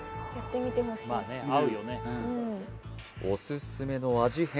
おすすめの味